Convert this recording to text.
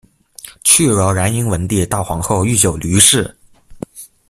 去柔然迎文帝悼皇后郁久闾氏。